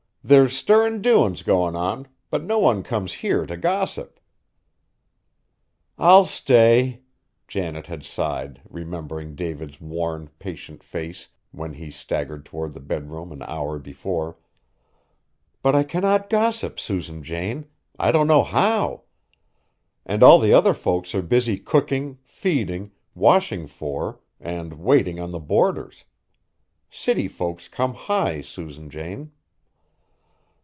There's stirrin' doin's goin' on; but no one comes here t' gossip." "I'll stay," Janet had sighed, remembering David's worn, patient face when he staggered toward the bedroom an hour before. "But I cannot gossip, Susan Jane, I don't know how; and all the other folks are busy cooking, feeding, washing for, and waiting on the boarders. City folks come high, Susan Jane."